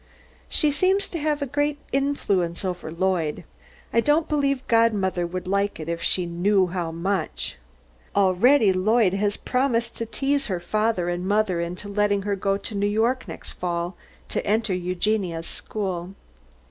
She seems to have a great influence over Lloyd. I don't believe godmother would like it if she knew how much. Already Lloyd has promised to tease her father and mother into letting her go to New York next fall, to enter Eugenia's school.